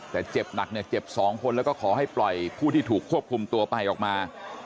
แต่เจ็บหนักเนี่ยเจ็บ๒คนแล้วก็ขอให้ปล่อยผู้ที่ถูกควบคุมตัวไปออกมา